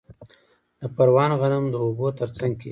د پروان غنم د اوبو ترڅنګ کیږي.